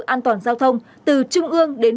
an toàn giao thông từ trung ương đến